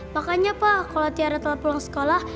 makanya pak kalau tiara telah pulang sekolah